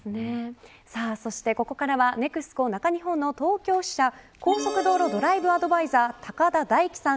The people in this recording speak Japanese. そしてここからはＮＥＸＣＯ中日本の東京支社高速道路ドライブアドバイザー高田大暉さん